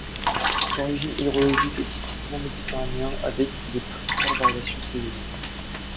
Son régime hydrologique est typiquement méditerranéen avec de très fortes variations saisonnières.